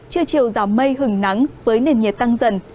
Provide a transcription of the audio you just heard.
trưa chiều giảm mây hứng nắng với nền nhiệt tăng dần